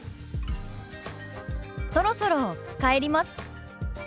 「そろそろ帰ります」。